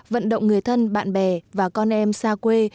vận động người thân bạn bè và con em xa quê